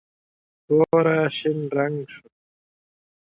توره شین رنګ شوه.